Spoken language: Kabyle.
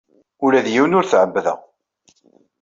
Ula d yiwen ur t-ɛebbdeɣ.